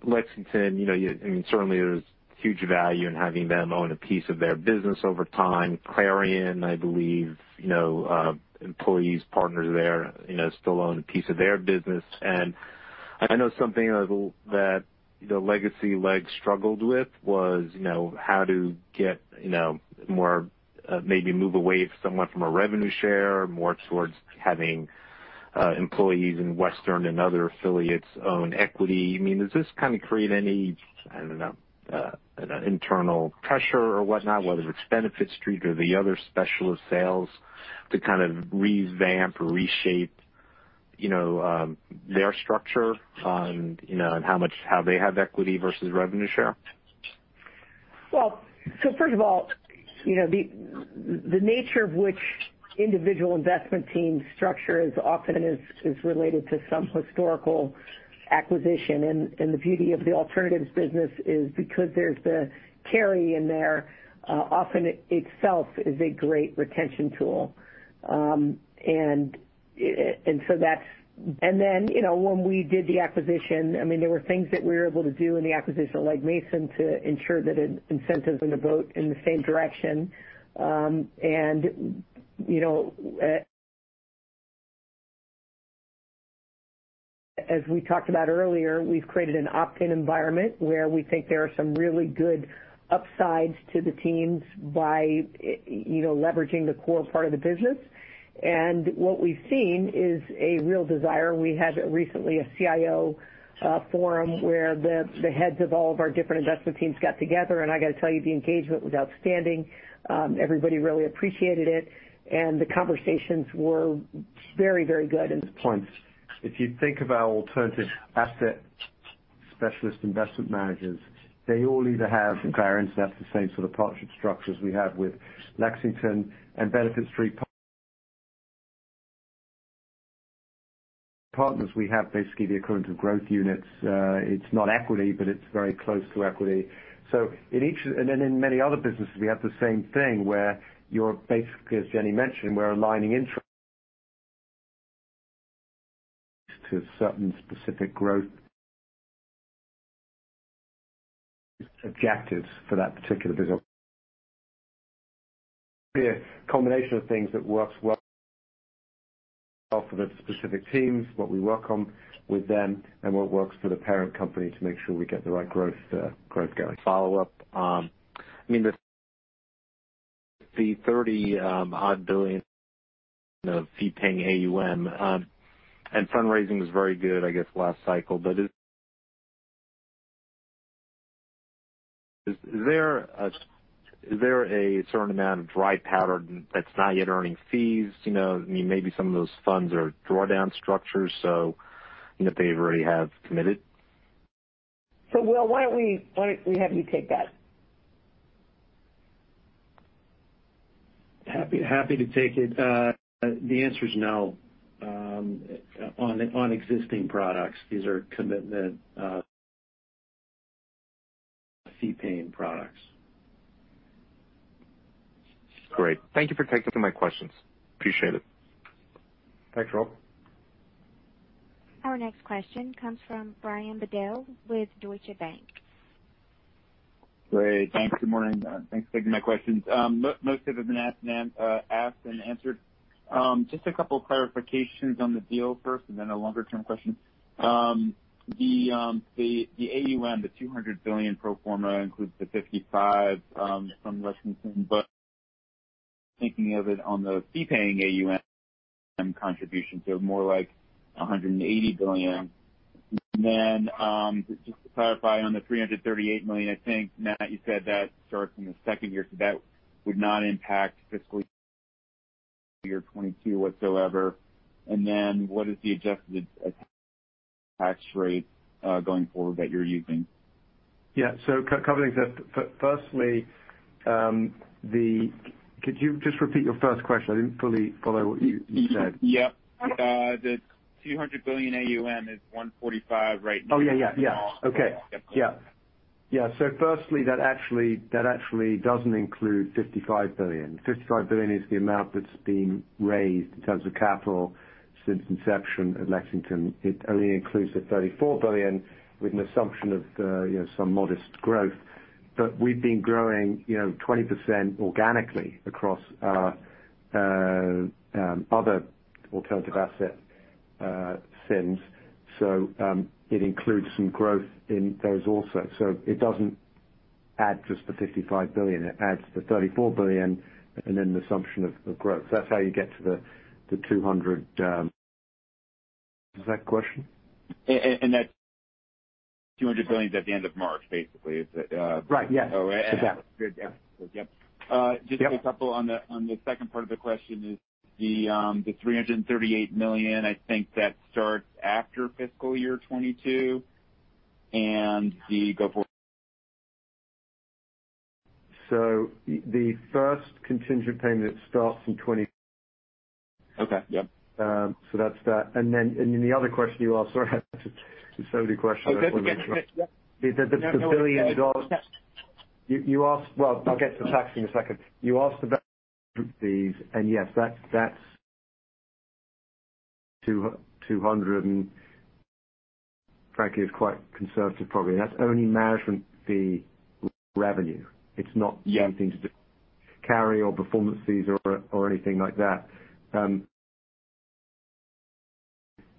Lexington, you know, I mean, certainly there's huge value in having them own a piece of their business over time. Clarion, I believe, you know, employees, partners there, you know, still own a piece of their business. I know something that the legacy Legg struggled with was, you know, how to get, you know, more, maybe move away somewhat from a revenue share, more towards having employees in Western and other affiliates own equity. I mean, does this kind of create any, I don't know, an internal pressure or whatnot, whether it's Benefit Street or the other Specialist Investment Managers, to kind of revamp or reshape, you know, their structure on, you know, on how they have equity versus revenue share? Well, first of all, you know, the nature of which individual investment team structure is often related to some historical acquisition. The beauty of the alternatives business is because there's the carry in there, often it itself is a great retention tool. You know, when we did the acquisition, I mean, there were things that we were able to do in the acquisition of Legg Mason to ensure that it incentivizes them to vote in the same direction. You know, as we talked about earlier, we've created an opt-in environment where we think there are some really good upsides to the teams by you know, leveraging the core part of the business. What we've seen is a real desire. We had recently a CIO forum, where the heads of all of our different investment teams got together, and I gotta tell you, the engagement was outstanding. Everybody really appreciated it, and the conversations were very, very good. At this point, if you think of our alternative asset specialist investment managers, they all either have Clarion, that's the same sort of partnership structures we have with Lexington and Benefit Street Partners. We have basically the occurrence of growth units. It's not equity, but it's very close to equity. In many other businesses, we have the same thing where you're basically, as Jenny mentioned, we're aligning interests to certain specific growth objectives for that particular business. A combination of things that works well for the specific teams, what we work on with them, and what works for the parent company to make sure we get the right growth going. Follow-up. I mean, the $30-odd billion fee paying AUM and fundraising was very good, I guess, last cycle. But is there a certain amount of dry powder that's not yet earning fees? You know, I mean, maybe some of those funds are drawdown structures, so you know, they already have committed. Wil, why don't we have you take that? Happy to take it. The answer is no on existing products. These are commitment fee paying products. Great. Thank you for taking my questions. Appreciate it. Thanks, Robert. Our next question comes from Brian Bedell with Deutsche Bank. Great. Thanks. Good morning. Thanks for taking my questions. Most of it has been asked and answered. Just a couple clarifications on the deal first and then a longer term question. The AUM, the $200 billion pro forma includes the 55 from Lexington, but thinking of it on the fee-paying AUM contribution, so more like a $180 billion. Then, just to clarify on the $338 million, I think, Matt, you said that starts in the second year, so that would not impact fiscal year 2022 whatsoever. Then what is the adjusted tax rate going forward that you're using? Yeah. Covering that. Firstly, could you just repeat your first question? I didn't fully follow what you said. Yep. The $200 billion AUM is $145 billion right now. Yeah. Okay. Yeah. Firstly, that actually doesn't include $55 billion. $55 billion is the amount that's been raised in terms of capital since inception at Lexington. It only includes the $34 billion with an assumption of, you know, some modest growth. But we've been growing, you know, 20% organically across our other alternative asset SIMs. It includes some growth in those also. It doesn't add just the $55 billion, it adds the $34 billion and then the assumption of growth. That's how you get to the $200 billion. Is that the question? that $200 billion is at the end of March, basically. Is that- Right. Yeah. All right. Exactly. Good. Yeah. Yep. Yeah. Just a couple on the second part of the question is the $338 million, I think that starts after FY 2022. The go forward- The first contingent payment starts in 2020. Okay. Yep. That's that. The other question you asked, sorry, I have to study the question. No, no. The $2 billion. You asked. Well, I'll get to tax in a second. You asked about these, and yes, that's 200 and frankly, it's quite conservative, probably. That's only management fee revenue. It's not Yeah. Anything to do with carry or performance fees or anything like that.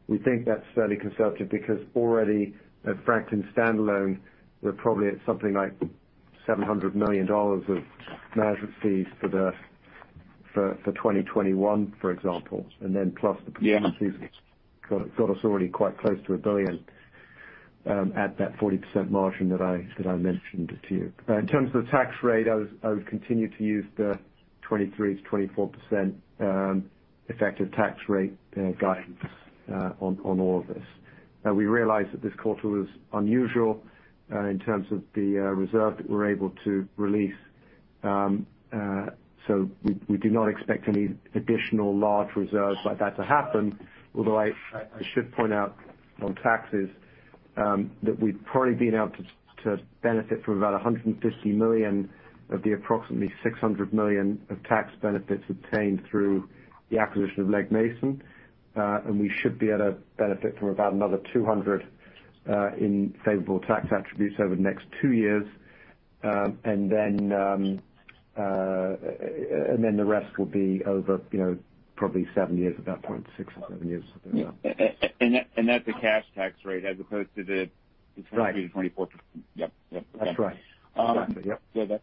We think that's fairly conservative because already at Franklin standalone, we're probably at something like $700 million of management fees for 2021, for example. Then plus the- Yeah. Got us already quite close to $1 billion at that 40% margin that I mentioned to you. In terms of the tax rate, I would continue to use the 23%-24% effective tax rate guidance on all of this. Now we realize that this quarter was unusual in terms of the reserve that we're able to release. So we do not expect any additional large reserves like that to happen. Although I should point out on taxes that we've probably been able to benefit from about $150 million of the approximately $600 million of tax benefits obtained through the acquisition of Legg Mason. We should be able to benefit from about another $200 in favorable tax attributes over the next 2 years. The rest will be over, you know, probably 7 years at that point, 6 or 7 years. That's a cash tax rate as opposed to the- Right. 2020-2024. Yep. Yep. That's right. Exactly. Yep.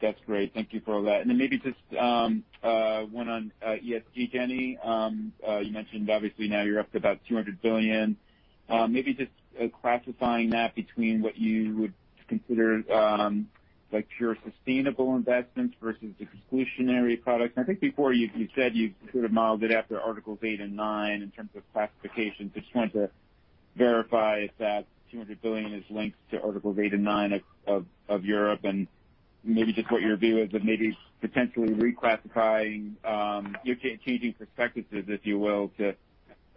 That's great. Thank you for all that. Then maybe just one on ESG, Jenny. You mentioned obviously now you're up to about $200 billion. Maybe just classifying that between what you would consider like pure sustainable investments versus exclusionary products. I think before you said you sort of modeled it after Article 8 and Article 9 in terms of classification. Just wanted to verify if that $200 billion is linked to Article 8 and Article 9 of Europe. Maybe just what your view is of maybe potentially reclassifying your changing perspectives, if you will, in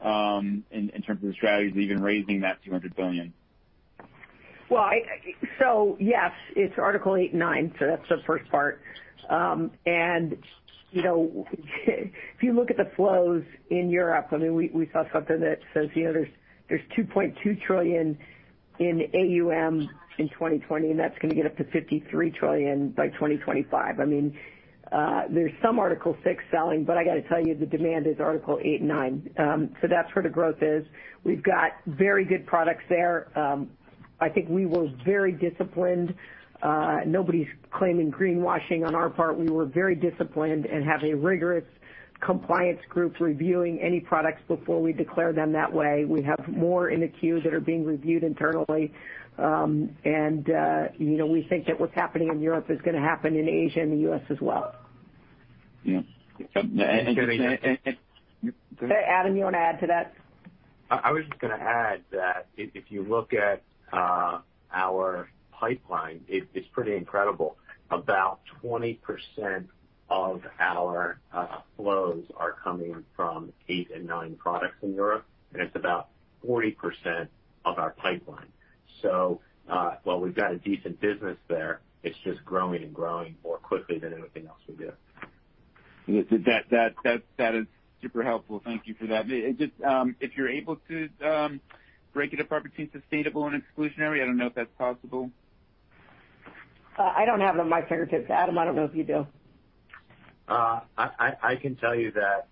terms of the strategies of even raising that $200 billion. Yes, it's Article 8 and 9, that's the first part. You know, if you look at the flows in Europe, I mean, we saw something that says, you know, there's $2.2 trillion in AUM in 2020, and that's gonna get up to $53 trillion by 2025. I mean, there's some Article 6 selling, but I got to tell you, the demand is Article 8 and 9. That's where the growth is. We've got very good products there. I think we were very disciplined. Nobody's claiming greenwashing on our part. We were very disciplined and have a rigorous compliance group reviewing any products before we declare them that way. We have more in the queue that are being reviewed internally. You know, we think that what's happening in Europe is gonna happen in Asia and the U.S. as well. Yeah. Adam, you want to add to that? I was just gonna add that if you look at our pipeline, it's pretty incredible. About 20% of our flows are coming from 8 and 9 products in Europe, and it's about 40% of our pipeline. While we've got a decent business there, it's just growing and growing more quickly than anything else we do. That is super helpful. Thank you for that. Just, if you're able to break it apart between sustainable and exclusionary. I don't know if that's possible. I don't have it on my fingertips. Adam, I don't know if you do. I can tell you that.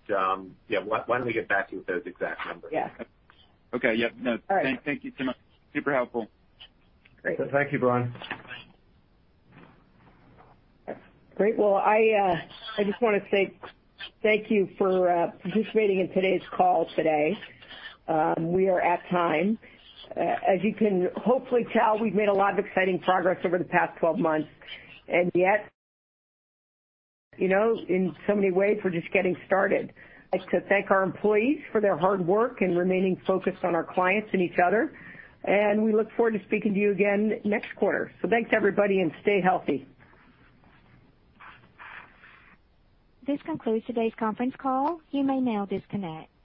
Yeah, why don't we get back to you with those exact numbers? Yeah. Okay. Yep. No. All right. Thank you so much. Super helpful. Great. Thank you, Brian. Great. Well, I just wanna say thank you for participating in today's call today. We are at time. As you can hopefully tell, we've made a lot of exciting progress over the past 12 months. Yet, you know, in so many ways, we're just getting started. I'd like to thank our employees for their hard work and remaining focused on our clients and each other. We look forward to speaking to you again next quarter. Thanks everybody and stay healthy. This concludes today's conference call. You may now disconnect.